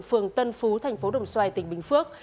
phường tân phú thành phố đồng xoài tỉnh bình phước